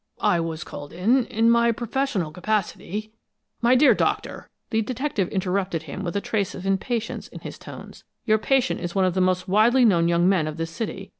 I was called in, in my professional capacity " "My dear Doctor," the detective interrupted him with a trace of impatience in his tones, "your patient is one of the most widely known young men of this city.